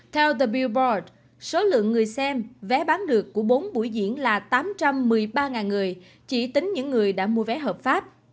theo tờ bill board số lượng người xem vé bán được của bốn buổi diễn là tám trăm một mươi ba người chỉ tính những người đã mua vé hợp pháp